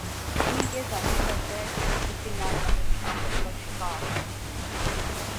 بھی یہ ظاہر کرتا ہے کہ وہ کسی ناگہانی آفت کا شکار